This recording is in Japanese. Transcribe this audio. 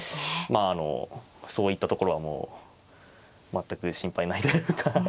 あのそういったところはもう全く心配ないというか。